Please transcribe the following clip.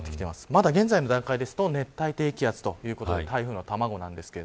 まだ、現在の段階ですと熱帯低気圧ということで台風の卵です。